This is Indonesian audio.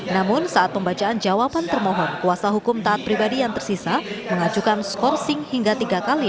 namun saat pembacaan jawaban termohon kuasa hukum taat pribadi yang tersisa mengajukan skorsing hingga tiga kali